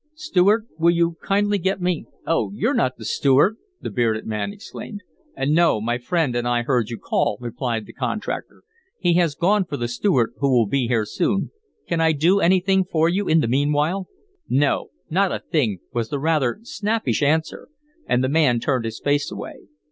"Steward, will you kindly get me Oh, you're not the steward!" the bearded man exclaimed. "No, my friend and I heard you call," replied the contractor. "He has gone for the steward, who will be here soon. Can I do anything for you in the meanwhile?" "No not a thing!" was the rather snappish answer, and the man turned his face away.